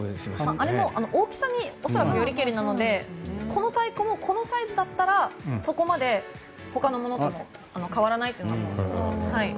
あれも恐らく大きさによりけりなのでこの太鼓もこのサイズだったらそこまでほかのものと変わらないと。